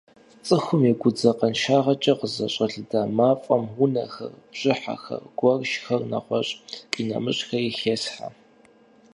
ЦӀыхум и гудзакъэншагъэкӀэ къызэщӀэлында мафӀэм унэхэр, бжыхьхэр, гуэщхэр нэгъуэщӏ къинэмыщӏхэри хесхьэ.